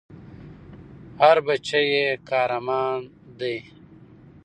هر بــچی ېي قـــهــــــــرمان دی